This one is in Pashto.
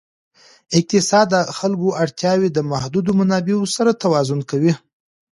اقتصاد د خلکو اړتیاوې د محدودو منابعو سره توازن کوي.